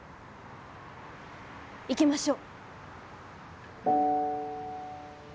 行きましょう。